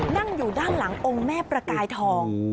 นั่งอยู่ด้านหลังองค์แม่ประกายทอง